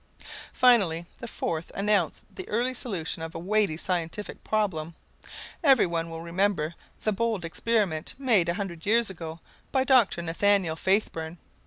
Finally, the fourth announced the early solution of a weighty scientific problem. Every one will remember the bold experiment made a hundred years ago by Dr. Nathaniel Faithburn.